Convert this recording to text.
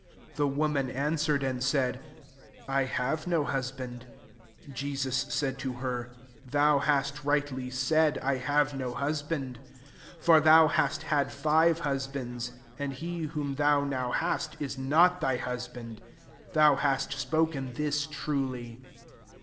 17 I'he woman an swered, and said, «*I have no busbahd/' Jesus said to her, "Thou hast rightly said, 'I have no husband:' 18 for thou hast had five husbdnds; and he whom thou now hast, is not thy husband: thou hast 6poken this truly."